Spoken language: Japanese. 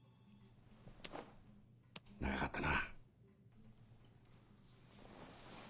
長かったな。